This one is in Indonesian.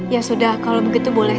ya sudah kalau begitu boleh